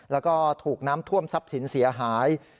แล้วก็ถูกน้ำท่วมทรัพย์สินเสียหาย